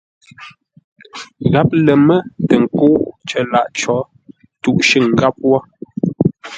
Gháp lər mə́ tə nkə́u cər lâʼ có tûʼ shʉ̂ŋ gháp wó.